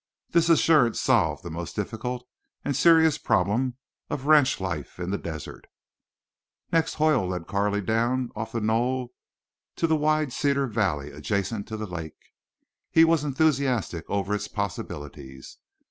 This assurance solved the most difficult and serious problem of ranch life in the desert. Next Hoyle led Carley down off the knoll to the wide cedar valley adjacent to the lake. He was enthusiastic over its possibilities.